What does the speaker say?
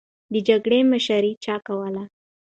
د جګړې مشري چا کوله؟